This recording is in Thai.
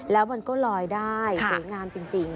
แล้วมันก็ลอยได้สวยงามจริง